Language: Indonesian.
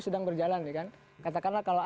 itu sedang berjalan katakanlah kalau